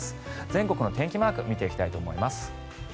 全国の天気マークを見ていきたいと思います。